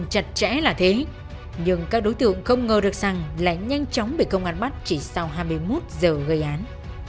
chặt chẽ là thế nhưng các đối tượng không ngờ được rằng lại nhanh chóng bị công an bắt chỉ sau hai mươi một giờ gây án